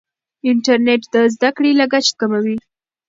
انټرنیټ د زده کړې لګښت کموي.